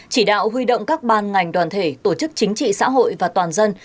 chỉ đạo huy động các ban ngành đoàn thể tổ chức chính trị xã hội và toàn dân